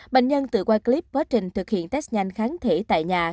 bệnh nhân tự quay clip quá trình thực hiện test nhanh kháng thể tại nhà